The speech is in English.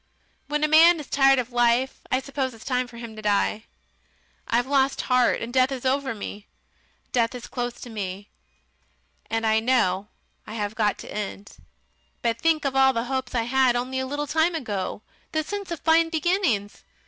When a man is tired of life, I suppose it is time for him to die. I've lost heart, and death is over me. Death is close to me, and I know I have got to end. But think of all the hopes I had only a little time ago, the sense of fine beginnings!...